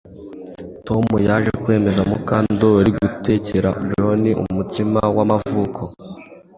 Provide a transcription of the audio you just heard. Tom yaje kwemeza Mukandoli gutekera John umutsima wamavuko